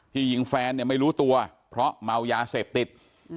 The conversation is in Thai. ยิงแฟนเนี่ยไม่รู้ตัวเพราะเมายาเสพติด